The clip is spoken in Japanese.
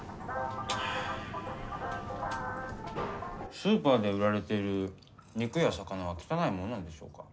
スーパーで売られている肉や魚は汚いものなんでしょうか？